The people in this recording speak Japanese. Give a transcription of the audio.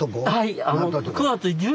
はい。